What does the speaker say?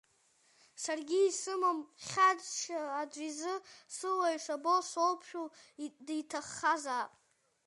Саргьы исымам хьаҵшьа аӡә изы, сыла ишабо соуԥшәыл диҭаххазаап!